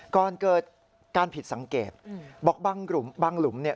ก่อนเกิดการผิดสังเกตบอกบางหลุมบางหลุมเนี่ย